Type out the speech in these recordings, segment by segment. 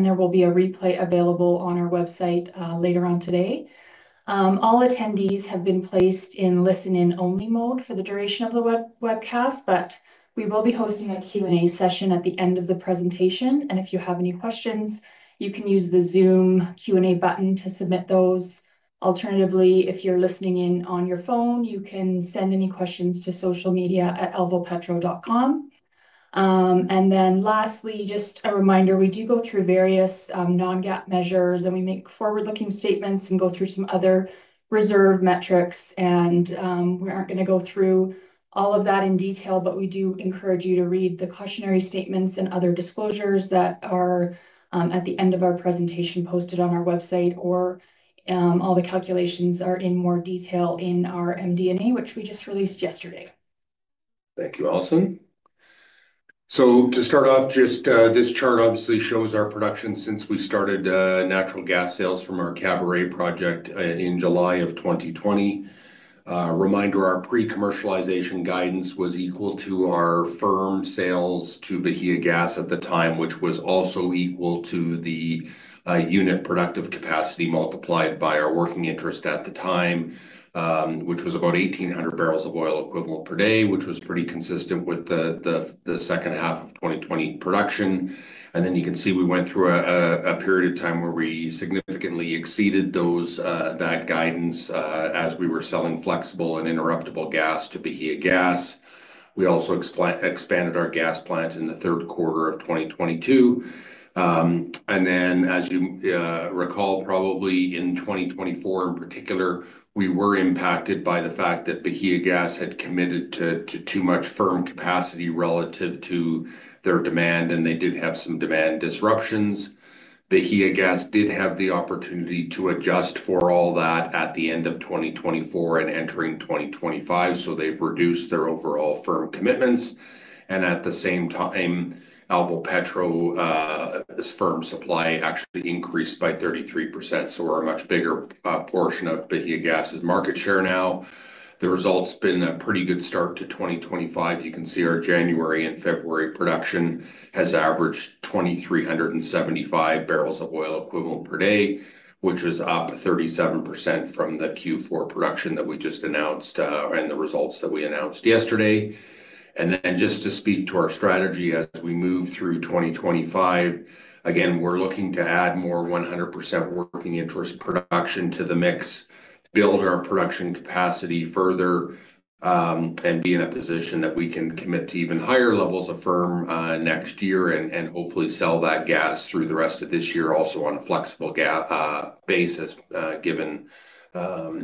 There will be a replay available on our website later on today. All attendees have been placed in listen-in-only mode for the duration of the webcast, but we will be hosting a Q&A session at the end of the presentation. If you have any questions, you can use the Zoom Q&A button to submit those. Alternatively, if you're listening in on your phone, you can send any questions to social media at alvopetro.com. Lastly, just a reminder, we do go through various non-GAAP measures, and we make forward-looking statements and go through some other reserve metrics. We are not going to go through all of that in detail, but we do encourage you to read the cautionary statements and other disclosures that are at the end of our presentation posted on our website, or all the calculations are in more detail in our MD&A, which we just released yesterday. Thank you, Alison. To start off, this chart obviously shows our production since we started natural gas sales from our Caburé project in July of 2020. Reminder, our pre-commercialization guidance was equal to our firm sales to Bahiagás at the time, which was also equal to the unit productive capacity multiplied by our working interest at the time, which was about 1,800 barrels of oil equivalent per day, which was pretty consistent with the second half of 2020 production. You can see we went through a period of time where we significantly exceeded that guidance as we were selling flexible and interruptible gas to Bahiagás. We also expanded our gas plant in the third quarter of 2022. As you recall, probably in 2024 in particular, we were impacted by the fact that Bahiagás had committed to too much firm capacity relative to their demand, and they did have some demand disruptions. Bahiagás did have the opportunity to adjust for all that at the end of 2024 and entering 2025, so they've reduced their overall firm commitments. At the same time, Alvopetro's firm supply actually increased by 33%, so we're a much bigger portion of Bahiagás's market share now. The results have been a pretty good start to 2025. You can see our January and February production has averaged 2,375 barrels of oil equivalent per day, which is up 37% from the Q4 production that we just announced and the results that we announced yesterday. Just to speak to our strategy as we move through 2025, again, we're looking to add more 100% working interest production to the mix, build our production capacity further, and be in a position that we can commit to even higher levels of firm next year and hopefully sell that gas through the rest of this year also on a flexible gas basis given how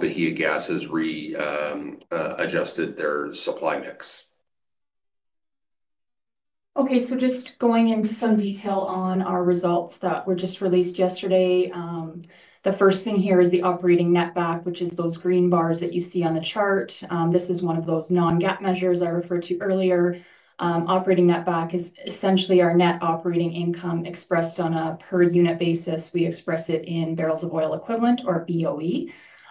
Bahiagás has readjusted their supply mix. Okay. Just going into some detail on our results that were just released yesterday, the first thing here is the operating netback, which is those green bars that you see on the chart. This is one of those non-GAAP measures I referred to earlier. Operating netback is essentially our net operating income expressed on a per-unit basis. We express it in barrels of oil equivalent, or BOE.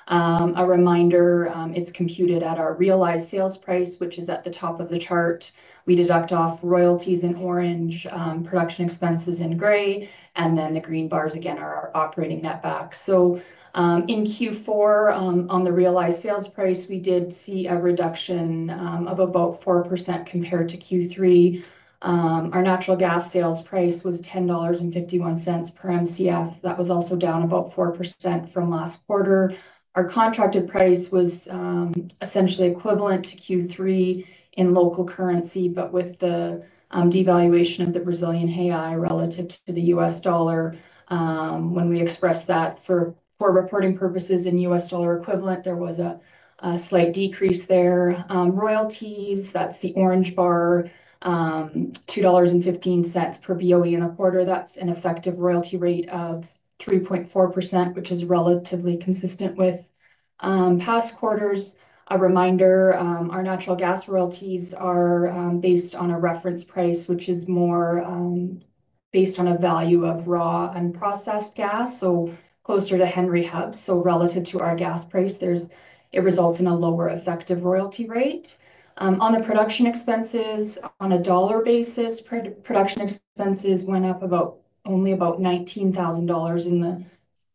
A reminder, it's computed at our realized sales price, which is at the top of the chart. We deduct off royalties in orange, production expenses in gray, and then the green bars again are our operating netback. In Q4, on the realized sales price, we did see a reduction of about 4% compared to Q3. Our natural gas sales price was $10.51 per MCF. That was also down about 4% from last quarter. Our contracted price was essentially equivalent to Q3 in local currency, but with the devaluation of the Brazilian real relative to the US dollar. When we express that for reporting purposes in US dollar equivalent, there was a slight decrease there. Royalties, that's the orange bar, $2.15 per BOE in a quarter. That's an effective royalty rate of 3.4%, which is relatively consistent with past quarters. A reminder, our natural gas royalties are based on a reference price, which is more based on a value of raw and processed gas, so closer to Henry Hub. Relative to our gas price, it results in a lower effective royalty rate. On the production expenses, on a dollar basis, production expenses went up only about $19,000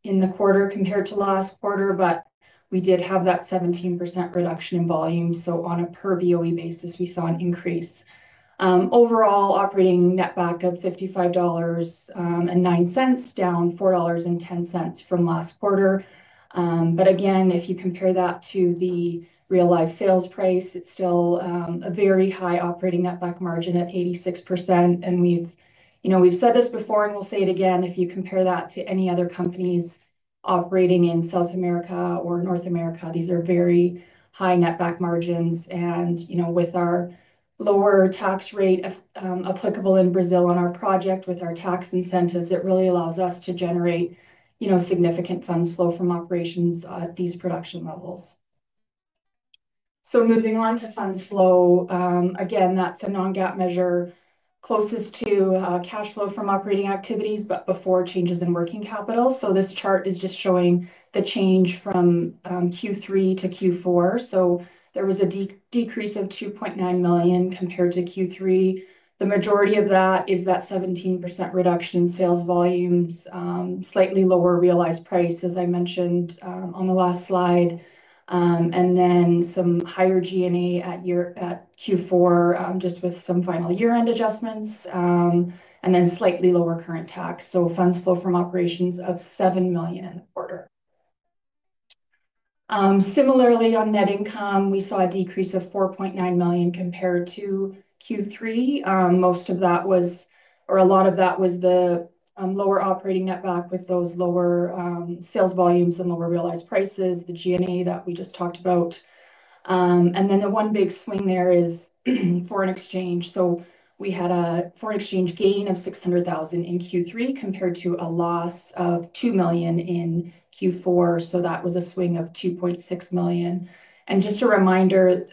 in the quarter compared to last quarter, but we did have that 17% reduction in volume. On a per BOE basis, we saw an increase. Overall, operating netback of $55.09, down $4.10 from last quarter. Again, if you compare that to the realized sales price, it's still a very high operating netback margin at 86%. We've said this before and we'll say it again. If you compare that to any other companies operating in South America or North America, these are very high netback margins. With our lower tax rate applicable in Brazil on our project with our tax incentives, it really allows us to generate significant funds flow from operations at these production levels. Moving on to funds flow, again, that's a non-GAAP measure closest to cash flow from operating activities, but before changes in working capital. This chart is just showing the change from Q3 to Q4. There was a decrease of $2.9 million compared to Q3. The majority of that is that 17% reduction in sales volumes, slightly lower realized price, as I mentioned on the last slide. Then some higher G&A at Q4, just with some final year-end adjustments, and then slightly lower current tax. Funds flow from operations of $7 million in the quarter. Similarly, on net income, we saw a decrease of $4.9 million compared to Q3. Most of that was, or a lot of that was the lower operating netback with those lower sales volumes and lower realized prices, the G&A that we just talked about. The one big swing there is foreign exchange. We had a foreign exchange gain of $600,000 in Q3 compared to a loss of $2 million in Q4. That was a swing of $2.6 million. Just a reminder,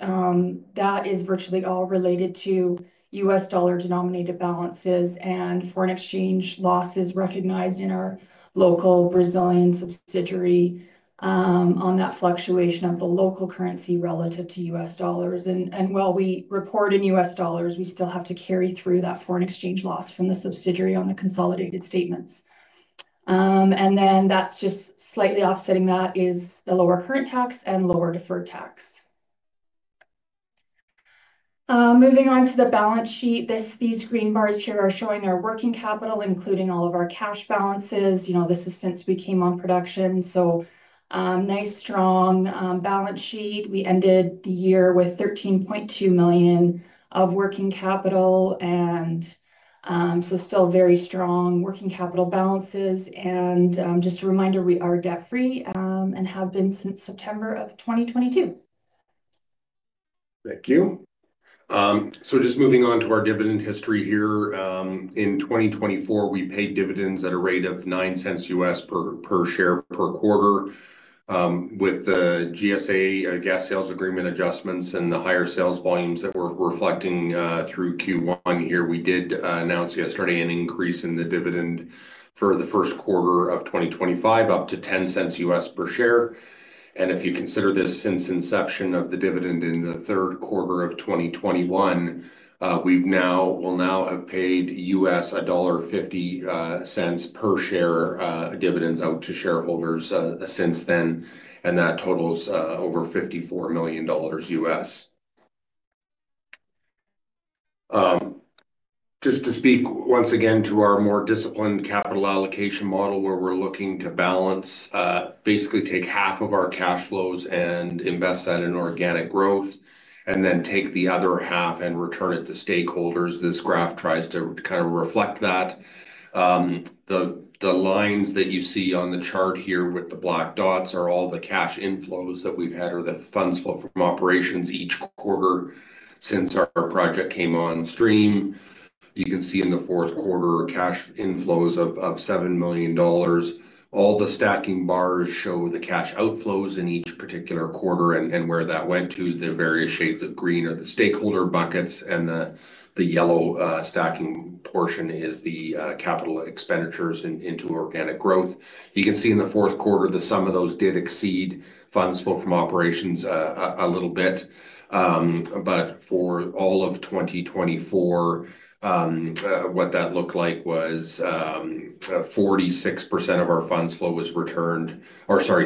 that is virtually all related to U.S. dollar denominated balances and foreign exchange losses recognized in our local Brazilian subsidiary on that fluctuation of the local currency relative to U.S. dollars. While we report in U.S. dollars, we still have to carry through that foreign exchange loss from the subsidiary on the consolidated statements. Slightly offsetting that is the lower current tax and lower deferred tax. Moving on to the balance sheet, these green bars here are showing our working capital, including all of our cash balances. This is since we came on production. Nice, strong balance sheet. We ended the year with $13.2 million of working capital, and still very strong working capital balances. Just a reminder, we are debt-free and have been since September of 2022. Thank you. Just moving on to our dividend history here. In 2024, we paid dividends at a rate of $0.09 US per share per quarter. With the GSA gas sales agreement adjustments and the higher sales volumes that we're reflecting through Q1 here, we did announce yesterday an increase in the dividend for the first quarter of 2025 up to $0.10 US per share. If you consider this since inception of the dividend in the third quarter of 2021, we now will have paid $1.50 per share dividends out to shareholders since then, and that totals over $54 million US. Just to speak once again to our more disciplined capital allocation model where we're looking to balance, basically take half of our cash flows and invest that in organic growth, and then take the other half and return it to stakeholders. This graph tries to kind of reflect that. The lines that you see on the chart here with the black dots are all the cash inflows that we've had or the funds flow from operations each quarter since our project came on stream. You can see in the fourth quarter cash inflows of $7 million. All the stacking bars show the cash outflows in each particular quarter and where that went to. The various shades of green are the stakeholder buckets, and the yellow stacking portion is the capital expenditures into organic growth. You can see in the fourth quarter, the sum of those did exceed funds flow from operations a little bit. For all of 2024, what that looked like was 46% of our funds flow was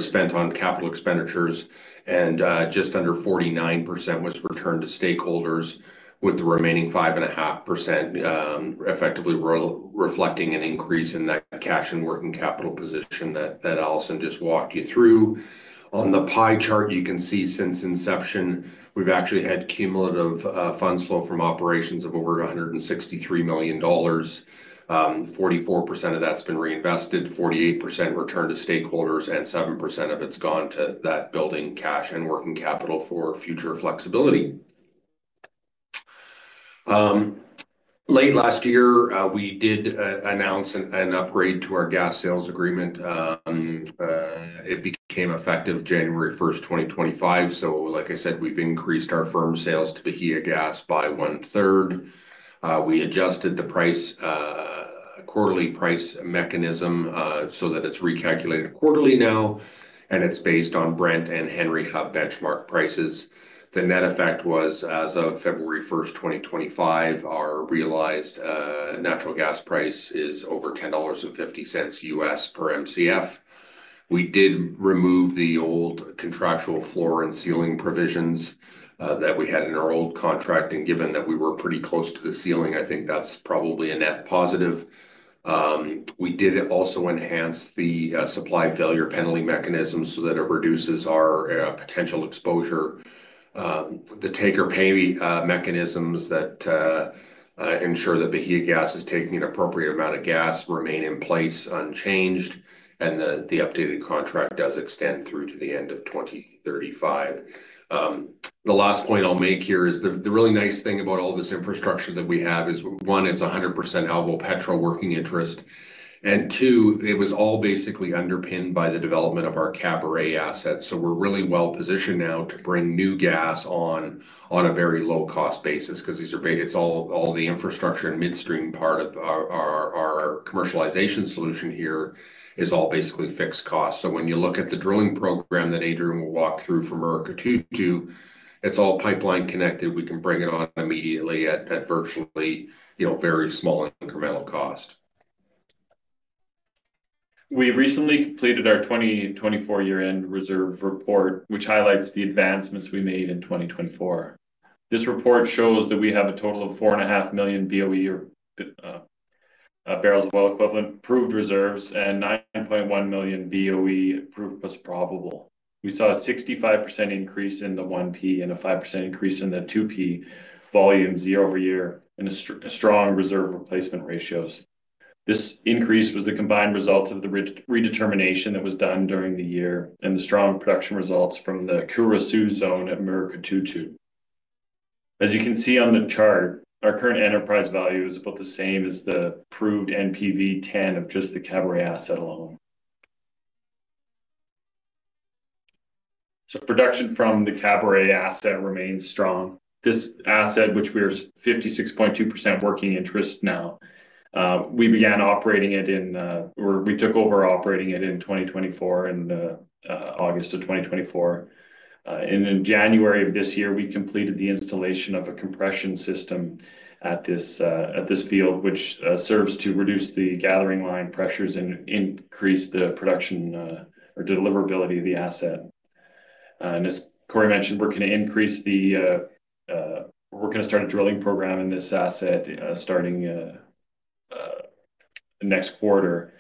spent on capital expenditures, and just under 49% was returned to stakeholders, with the remaining 5.5% effectively reflecting an increase in that cash and working capital position that Alison just walked you through. On the pie chart, you can see since inception, we've actually had cumulative funds flow from operations of over $163 million. 44% of that's been reinvested, 48% returned to stakeholders, and 7% of it's gone to that building cash and working capital for future flexibility. Late last year, we did announce an upgrade to our gas sales agreement. It became effective January 1, 2025. Like I said, we've increased our firm sales to Bahiagás by one-third. We adjusted the quarterly price mechanism so that it's recalculated quarterly now, and it's based on Brent and Henry Hub benchmark prices. The net effect was, as of February 1, 2025, our realized natural gas price is over $10.50 US per Mcf. We did remove the old contractual floor and ceiling provisions that we had in our old contract, and given that we were pretty close to the ceiling, I think that's probably a net positive. We did also enhance the supply failure penalty mechanism so that it reduces our potential exposure. The take-or-pay mechanisms that ensure that Bahiagás is taking an appropriate amount of gas remain in place unchanged, and the updated contract does extend through to the end of 2035. The last point I'll make here is the really nice thing about all this infrastructure that we have is, one, it's 100% Alvopetro working interest. It was all basically underpinned by the development of our Caburé assets. We are really well positioned now to bring new gas on a very low-cost basis because all the infrastructure and midstream part of our commercialization solution here is basically fixed costs. When you look at the drilling program that Adrian will walk through from Murucututu, it is all pipeline connected. We can bring it on immediately at virtually very small incremental cost. We have recently completed our 2024 year-end reserve report, which highlights the advancements we made in 2024. This report shows that we have a total of 4.5 million BOE or barrels of oil equivalent proved reserves and 9.1 million BOE proved plus probable. We saw a 65% increase in the 1P and a 5% increase in the 2P volumes year over year and strong reserve replacement ratios. This increase was the combined result of the redetermination that was done during the year and the strong production results from the Curaçao zone at. As you can see on the chart, our current enterprise value is about the same as the proved NPV 10 of just the Caburé asset alone. Production from the Caburé asset remains strong. This asset, which we are 56.2% working interest now, we began operating it in or we took over operating it in 2024 in August of 2024. In January of this year, we completed the installation of a compression system at this field, which serves to reduce the gathering line pressures and increase the production or deliverability of the asset. As Corey mentioned, we're going to start a drilling program in this asset starting next quarter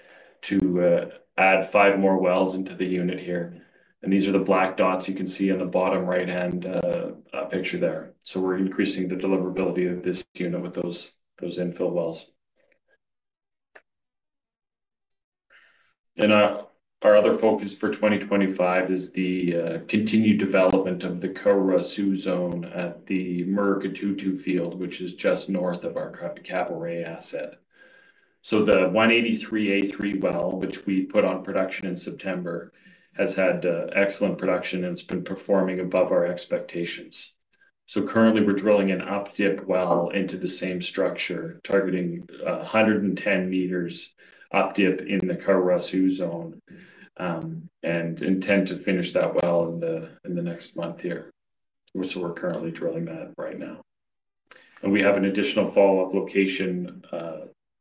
to add five more wells into the unit here. These are the black dots you can see on the bottom right-hand picture there. We're increasing the deliverability of this unit with those infill wells. Our other focus for 2025 is the continued development of the Curaçao zone at the Murucututu, which is just north of our Caburé asset. The 183-A3 well, which we put on production in September, has had excellent production and it's been performing above our expectations. Currently, we're drilling an up-dip well into the same structure, targeting 110 meters up-dip in the Curaçao zone, and intend to finish that well in the next month here. We're currently drilling that right now. We have an additional follow-up location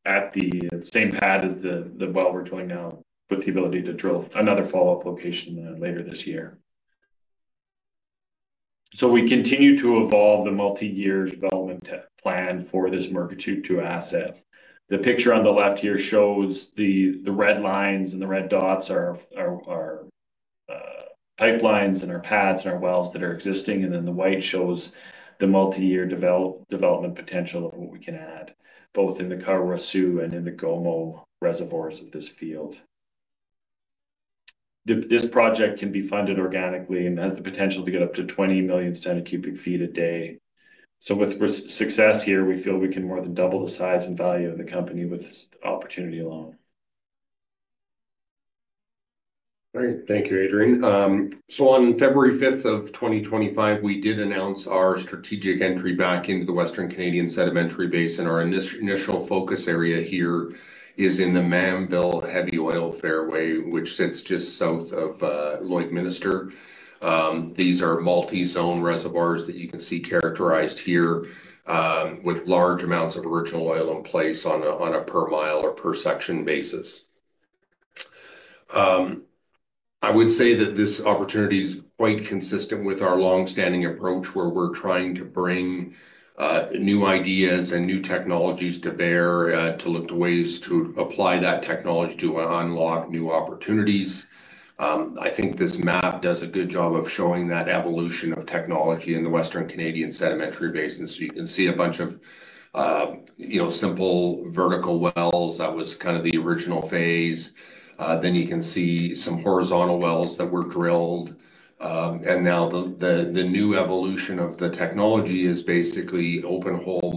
at the same pad as the well we are drilling now with the ability to drill another follow-up location later this year. We continue to evolve the multi-year development plan for this Murucututu asset. The picture on the left here shows the red lines and the red dots are pipelines and our pads and our wells that are existing. The white shows the multi-year development potential of what we can add both in the Curaçao and in the Gomo reservoirs of this field. This project can be funded organically and has the potential to get up to 20 million cubic feet a day. With success here, we feel we can more than double the size and value of the company with this opportunity alone. Great. Thank you, Adrian. On February 5th of 2025, we did announce our strategic entry back into the Western Canadian Sedimentary Basin. Our initial focus area here is in the Mannville heavy oil fairway, which sits just south of Lloydminster. These are multi-zone reservoirs that you can see characterized here with large amounts of original oil in place on a per mile or per section basis. I would say that this opportunity is quite consistent with our long-standing approach where we're trying to bring new ideas and new technologies to bear to look to ways to apply that technology to unlock new opportunities. I think this map does a good job of showing that evolution of technology in the Western Canadian Sedimentary Basin. You can see a bunch of simple vertical wells. That was kind of the original phase. You can see some horizontal wells that were drilled. The new evolution of the technology is basically open hole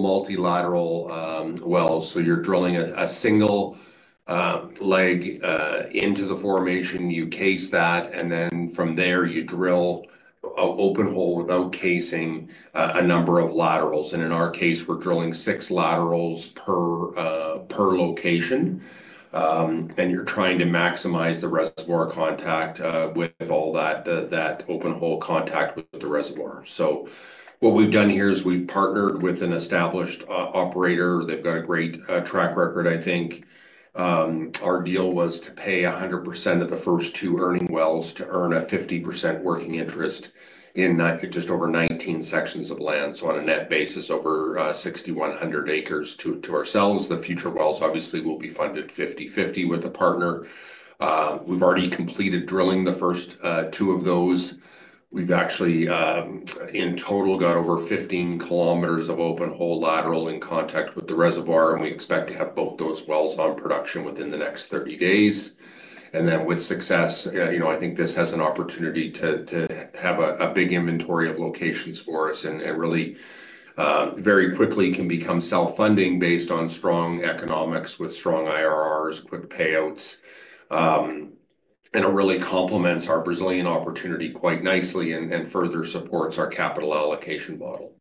multilateral wells. You are drilling a single leg into the formation. You case that. From there, you drill an open hole without casing a number of laterals. In our case, we are drilling six laterals per location. You are trying to maximize the reservoir contact with all that open hole contact with the reservoir. What we have done here is we have partnered with an established operator. They have got a great track record, I think. Our deal was to pay 100% of the first two earning wells to earn a 50% working interest in just over 19 sections of land. On a net basis, over 6,100 acres to ourselves. The future wells, obviously, will be funded 50/50 with a partner. We have already completed drilling the first two of those. We've actually, in total, got over 15 km of open hole lateral in contact with the reservoir. We expect to have both those wells on production within the next 30 days. With success, I think this has an opportunity to have a big inventory of locations for us and really very quickly can become self-funding based on strong economics with strong IRRs, quick payouts. It really complements our Brazilian opportunity quite nicely and further supports our capital allocation model.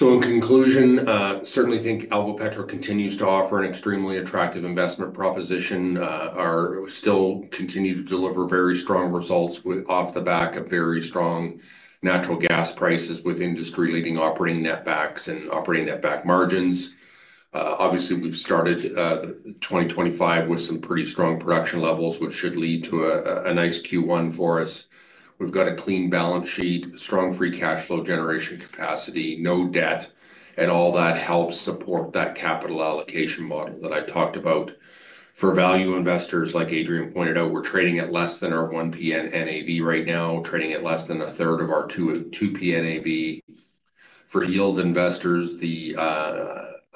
In conclusion, certainly think Alvopetro continues to offer an extremely attractive investment proposition. We still continue to deliver very strong results off the back of very strong natural gas prices with industry-leading operating netbacks and operating netback margins. Obviously, we've started 2025 with some pretty strong production levels, which should lead to a nice Q1 for us. We've got a clean balance sheet, strong free cash flow generation capacity, no debt, and all that helps support that capital allocation model that I've talked about. For value investors, like Adrian pointed out, we're trading at less than our 1P NAV right now, trading at less than a third of our 2P NAV. For yield investors, the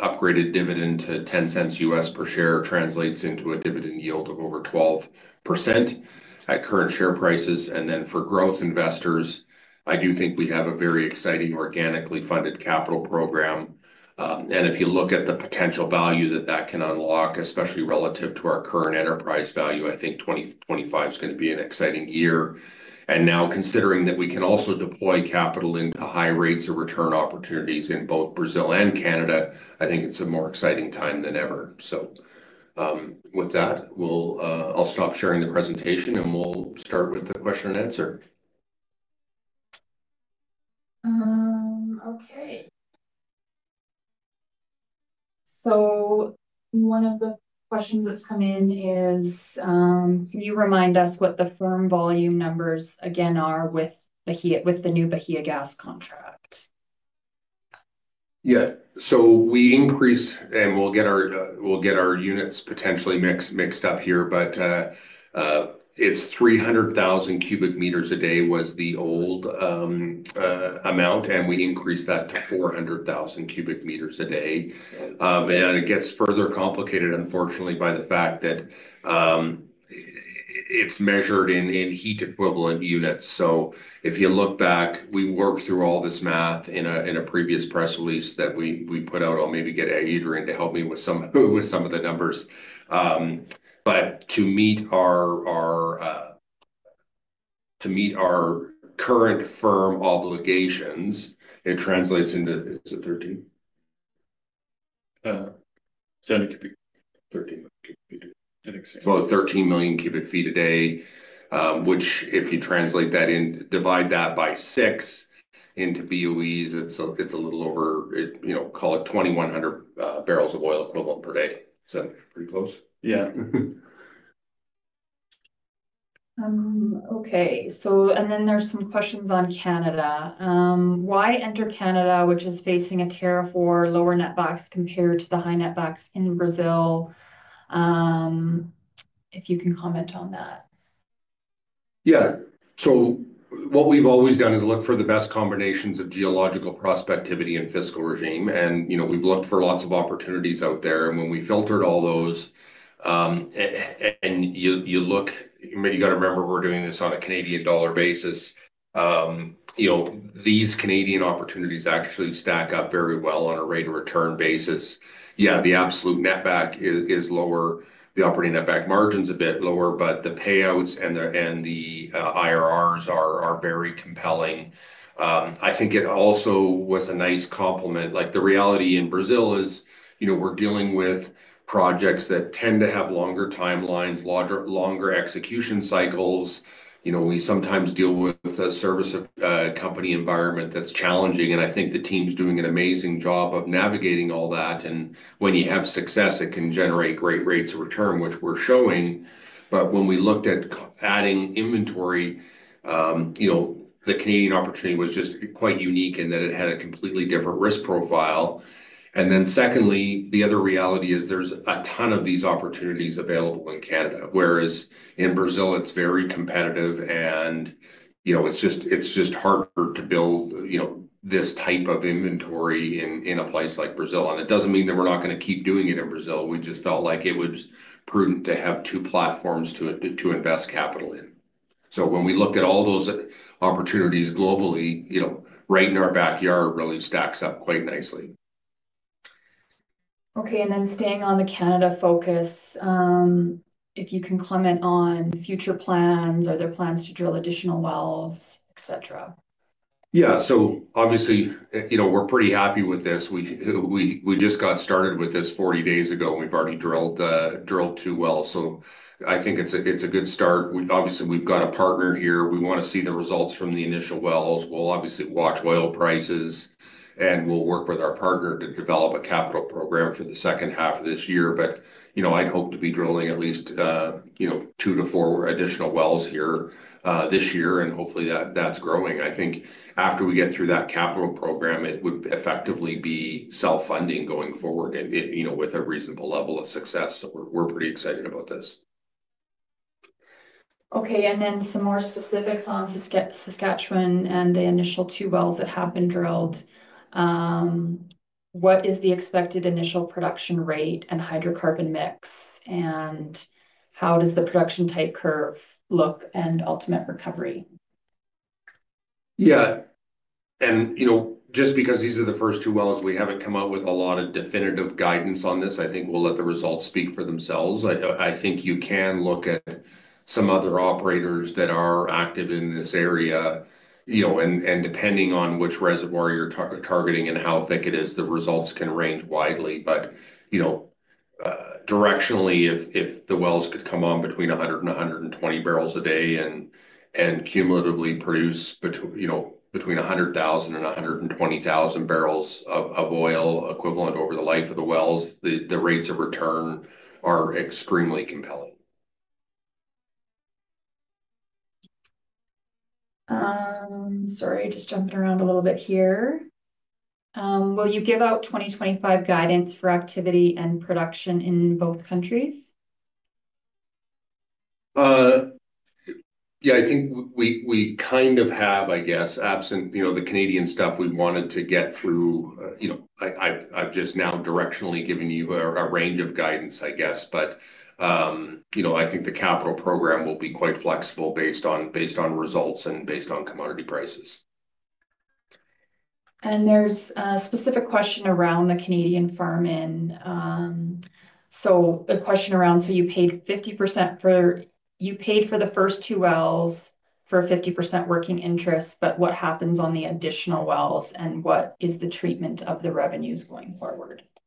upgraded dividend to $0.10 US per share translates into a dividend yield of over 12% at current share prices. For growth investors, I do think we have a very exciting organically funded capital program. If you look at the potential value that that can unlock, especially relative to our current enterprise value, I think 2025 is going to be an exciting year. Now, considering that we can also deploy capital into high rates of return opportunities in both Brazil and Canada, I think it's a more exciting time than ever. With that, I'll stop sharing the presentation, and we'll start with the question and answer. Okay. One of the questions that's come in is, can you remind us what the firm volume numbers again are with the new Bahiagás contract? Yeah. We increase, and we'll get our units potentially mixed up here, but it's 300,000 cubic meters a day was the old amount, and we increased that to 400,000 cubic meters a day. It gets further complicated, unfortunately, by the fact that it's measured in heat equivalent units. If you look back, we worked through all this math in a previous press release that we put out. I'll maybe get Adrian to help me with some of the numbers. To meet our current firm obligations, it translates into is it 13? 10 cubic feet. 13 cubic feet. I think so. Thirteen million cubic feet a day, which if you translate that in, divide that by six into BOEs, it's a little over, call it 2,100 barrels of oil equivalent per day. Is that pretty close? Yeah. Okay. There are some questions on Canada. Why enter Canada, which is facing a tariff or lower netback compared to the high netback in Brazil? If you can comment on that. Yeah. What we've always done is look for the best combinations of geological prospectivity and fiscal regime. We've looked for lots of opportunities out there. When we filtered all those, and you look, you got to remember we're doing this on a Canadian dollar basis. These Canadian opportunities actually stack up very well on a rate of return basis. Yeah, the absolute netback is lower. The operating netback margin's a bit lower, but the payouts and the IRRs are very compelling. I think it also was a nice complement. The reality in Brazil is we're dealing with projects that tend to have longer timelines, longer execution cycles. We sometimes deal with a service company environment that's challenging. I think the team's doing an amazing job of navigating all that. When you have success, it can generate great rates of return, which we're showing. When we looked at adding inventory, the Canadian opportunity was just quite unique in that it had a completely different risk profile. The other reality is there's a ton of these opportunities available in Canada, whereas in Brazil, it's very competitive. It's just harder to build this type of inventory in a place like Brazil. It doesn't mean that we're not going to keep doing it in Brazil. We just felt like it was prudent to have two platforms to invest capital in. When we looked at all those opportunities globally, right in our backyard really stacks up quite nicely. Okay. Staying on the Canada focus, if you can comment on future plans, are there plans to drill additional wells, etc.? Yeah. Obviously, we're pretty happy with this. We just got started with this 40 days ago, and we've already drilled two wells. I think it's a good start. Obviously, we've got a partner here. We want to see the results from the initial wells. We'll obviously watch oil prices, and we'll work with our partner to develop a capital program for the second half of this year. I'd hope to be drilling at least two to four additional wells here this year. Hopefully, that's growing. I think after we get through that capital program, it would effectively be self-funding going forward with a reasonable level of success. We're pretty excited about this. Okay. Some more specifics on Saskatchewan and the initial two wells that have been drilled. What is the expected initial production rate and hydrocarbon mix? How does the production type curve look and ultimate recovery? Yeah. Just because these are the first two wells, we have not come out with a lot of definitive guidance on this. I think we will let the results speak for themselves. I think you can look at some other operators that are active in this area. Depending on which reservoir you are targeting and how thick it is, the results can range widely. Directionally, if the wells could come on between 100 and 120 barrels a day and cumulatively produce between 100,000 and 120,000 barrels of oil equivalent over the life of the wells, the rates of return are extremely compelling. Sorry, just jumping around a little bit here. Will you give out 2025 guidance for activity and production in both countries? Yeah. I think we kind of have, I guess, absent the Canadian stuff, we wanted to get through. I've just now directionally given you a range of guidance, I guess. I think the capital program will be quite flexible based on results and based on commodity prices. There is a specific question around the Canadian firm. A question around, you paid 50% for, you paid for the first two wells for 50% working interest, but what happens on the additional wells? What is the treatment of the revenues going forward? Yeah.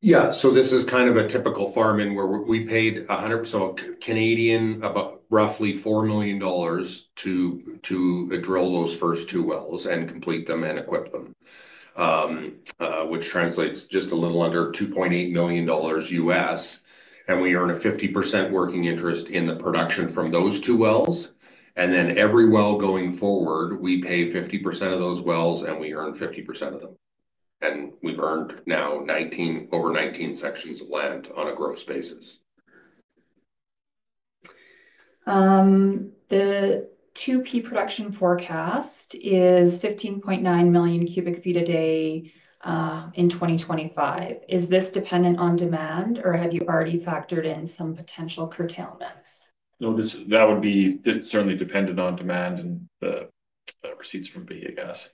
This is kind of a typical firm in where we paid 100% Canadian, about roughly $4 million to drill those first two wells and complete them and equip them, which translates to just a little under $2.8 million US. We earn a 50% working interest in the production from those two wells. Every well going forward, we pay 50% of those wells, and we earn 50% of them. We have earned now over 19 sections of land on a gross basis. The 2P production forecast is 15.9 million cubic feet a day in 2025. Is this dependent on demand, or have you already factored in some potential curtailments? No, that would be certainly dependent on demand and the receipts from Bahiagás.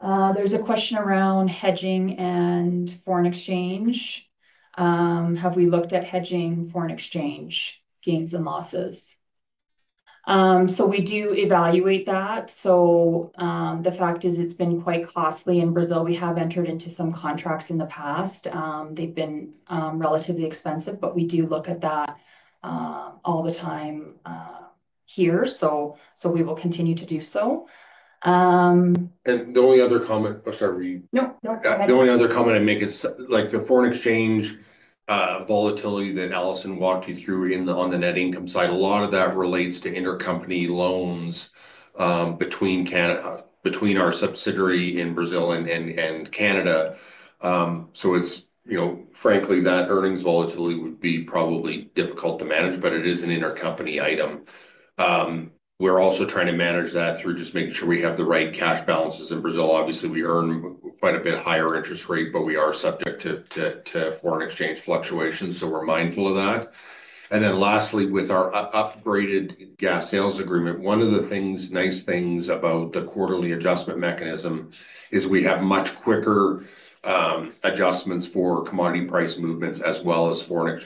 There's a question around hedging and foreign exchange. Have we looked at hedging foreign exchange gains and losses? We do evaluate that. The fact is it's been quite costly in Brazil. We have entered into some contracts in the past. They've been relatively expensive, but we do look at that all the time here. We will continue to do so. The only other comment—oh, sorry. No, no. Go ahead. The only other comment I'd make is the foreign exchange volatility that Alison walked you through on the net income side. A lot of that relates to intercompany loans between our subsidiary in Brazil and Canada. Frankly, that earnings volatility would be probably difficult to manage, but it is an intercompany item. We're also trying to manage that through just making sure we have the right cash balances in Brazil. Obviously, we earn quite a bit higher interest rate, but we are subject to foreign exchange fluctuations. We're mindful of that. Lastly, with our upgraded gas sales agreement, one of the nice things about the quarterly adjustment mechanism is we have much quicker adjustments for commodity price movements as well as foreign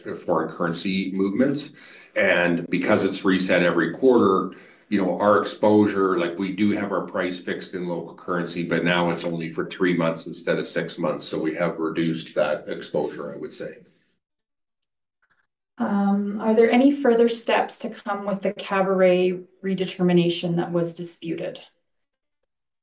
currency movements. Because it's reset every quarter, our exposure, we do have our price fixed in local currency, but now it's only for three months instead of six months. We have reduced that exposure, I would say. Are there any further steps to come with the Caburé redetermination that was disputed?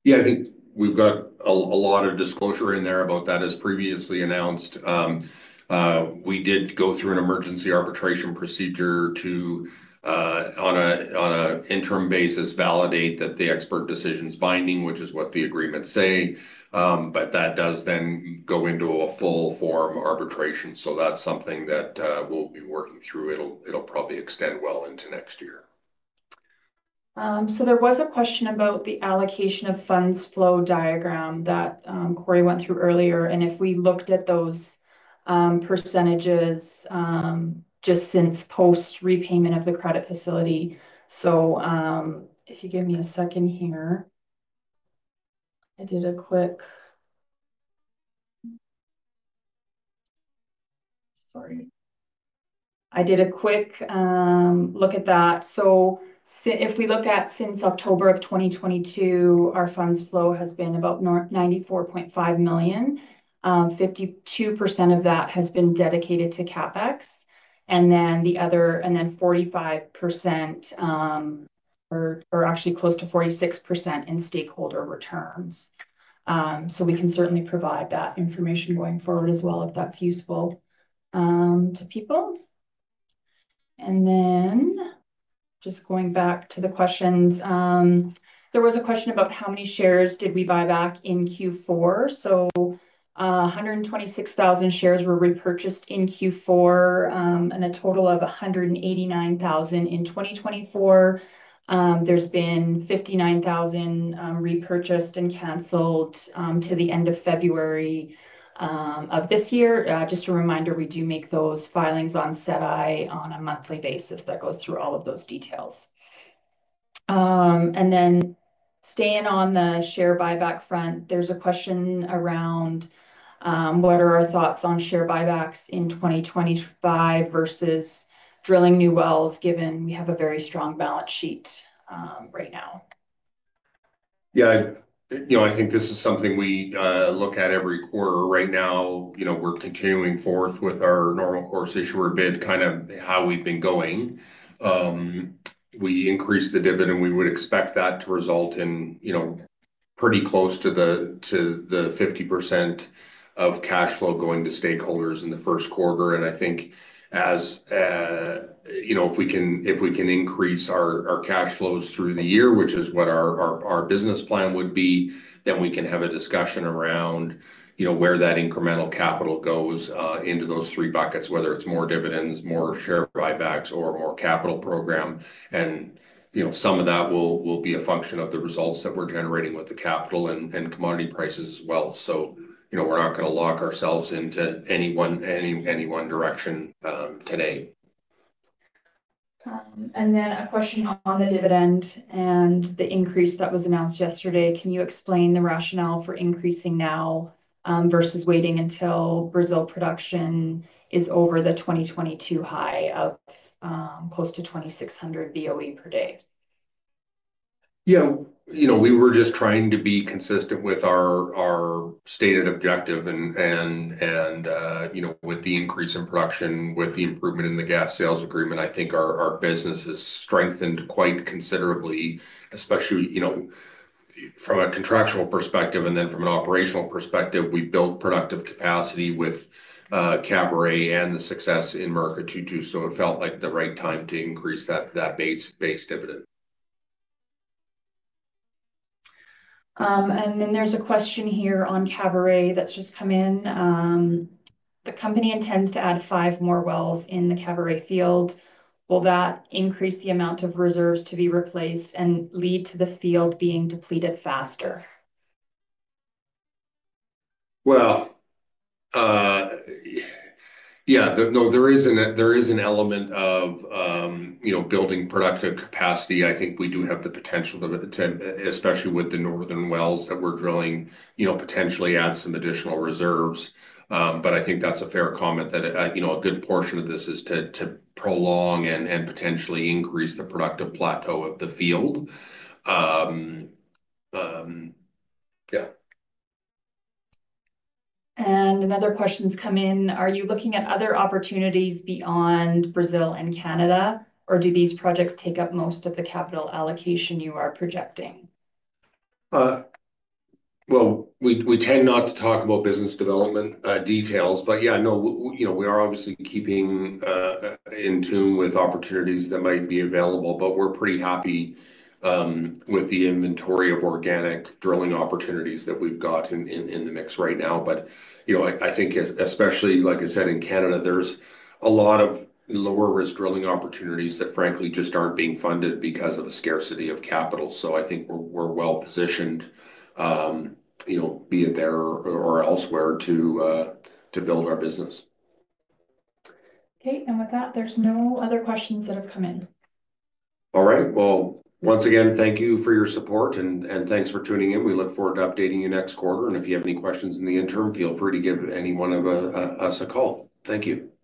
Yeah. I think we've got a lot of disclosure in there about that as previously announced. We did go through an emergency arbitration procedure to, on an interim basis, validate that the expert decision's binding, which is what the agreements say. That does then go into a full-form arbitration. That is something that we'll be working through. It'll probably extend well into next year. There was a question about the allocation of funds flow diagram that Corey went through earlier. If we looked at those percentages just since post-repayment of the credit facility. If you give me a second here. I did a quick—sorry. I did a quick look at that. If we look at since October of 2022, our funds flow has been about $94.5 million. 52% of that has been dedicated to CapEx. The other—45%, or actually close to 46%, in stakeholder returns. We can certainly provide that information going forward as well if that's useful to people. Just going back to the questions, there was a question about how many shares did we buy back in Q4. 126,000 shares were repurchased in Q4 and a total of 189,000 in 2024. There's been 59,000 repurchased and canceled to the end of February of this year. Just a reminder, we do make those filings on SEDAR on a monthly basis that goes through all of those details. Staying on the share buyback front, there's a question around what are our thoughts on share buybacks in 2025 versus drilling new wells given we have a very strong balance sheet right now. Yeah. I think this is something we look at every quarter. Right now, we're continuing forth with our normal course issuer bid kind of how we've been going. We increased the dividend. We would expect that to result in pretty close to the 50% of cash flow going to stakeholders in the first quarter. I think if we can increase our cash flows through the year, which is what our business plan would be, then we can have a discussion around where that incremental capital goes into those three buckets, whether it's more dividends, more share buybacks, or more capital program. Some of that will be a function of the results that we're generating with the capital and commodity prices as well. We're not going to lock ourselves into any one direction today. A question on the dividend and the increase that was announced yesterday. Can you explain the rationale for increasing now versus waiting until Brazil production is over the 2022 high of close to 2,600 BOE per day? Yeah. We were just trying to be consistent with our stated objective. With the increase in production, with the improvement in the gas sales agreement, I think our business has strengthened quite considerably, especially from a contractual perspective and then from an operational perspective. We built productive capacity with Caburé and the success in Murucututu. It felt like the right time to increase that base dividend. There is a question here on Caburé that just came in. The company intends to add five more wells in the Caburé field. Will that increase the amount of reserves to be replaced and lead to the field being depleted faster? Yeah. No, there is an element of building productive capacity. I think we do have the potential, especially with the northern wells that we're drilling, to potentially add some additional reserves. I think that's a fair comment that a good portion of this is to prolong and potentially increase the productive plateau of the field. Yeah. Another question's come in. Are you looking at other opportunities beyond Brazil and Canada, or do these projects take up most of the capital allocation you are projecting? We tend not to talk about business development details. Yeah, we are obviously keeping in tune with opportunities that might be available. We are pretty happy with the inventory of organic drilling opportunities that we've got in the mix right now. I think, especially, like I said, in Canada, there's a lot of lower-risk drilling opportunities that, frankly, just aren't being funded because of a scarcity of capital. I think we're well-positioned, be it there or elsewhere, to build our business. Okay. With that, there's no other questions that have come in. All right. Once again, thank you for your support, and thanks for tuning in. We look forward to updating you next quarter. If you have any questions in the interim, feel free to give any one of us a call. Thank you.